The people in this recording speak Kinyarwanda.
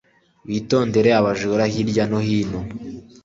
witondere abajura hirya no hino